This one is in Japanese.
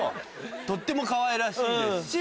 とってもかわいらしいですし。